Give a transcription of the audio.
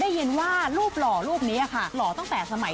ได้ยินว่ารูปหล่อรูปนี้ค่ะหล่อตั้งแต่สมัย